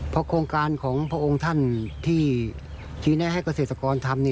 เพราะโครงการของพระองค์ท่านที่ชี้แนะให้เกษตรกรทำ